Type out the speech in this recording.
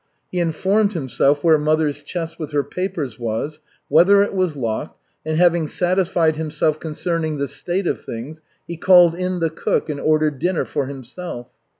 He informed himself where mother's chest with her papers was, whether it was locked, and having satisfied himself concerning the state of things, he called in the cook and ordered dinner for himself.